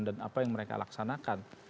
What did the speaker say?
dan apa yang mereka laksanakan